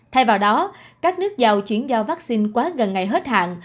thay vào đó các nước giàu chuyển giao vắc xin quá gần ngày hết hạn